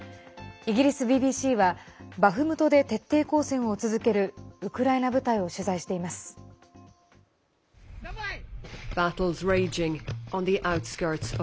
イギリスＢＢＣはバフムトで徹底抗戦を続けるウクライナ部隊を取材しています。